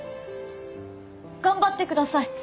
頑張ってください。